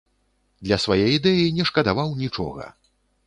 Для свае ідэі не шкадаваў нічога.